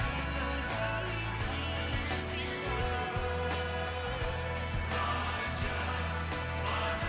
tuhan di atasku